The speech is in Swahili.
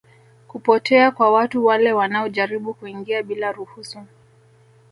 kupotea kwa watu wale wanaojaribu kuingia bila ruhusu